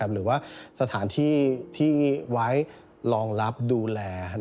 หรือว่าสถานที่ที่ไว้รองรับดูแล